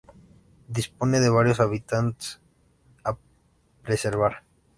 Dispone de varios hábitats a preservar.